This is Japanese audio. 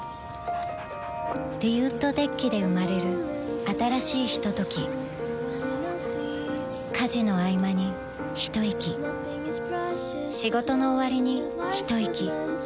リウッドデッキで生まれる新しいひととき家事のあいまにひといき仕事のおわりにひといき